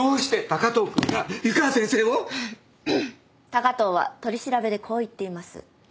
高藤は取り調べでこう言っています。